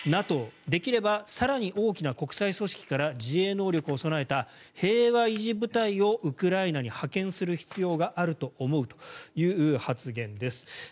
ＮＡＴＯ、できれば更に大きな国際組織から自衛能力を備えた平和維持部隊をウクライナに派遣する必要があると思うという発言です。